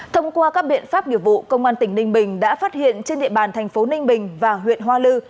thông qua các biện pháp nghiệp vụ công an tỉnh ninh bình đã phát hiện trên địa bàn thành phố ninh bình và huyện hoa lư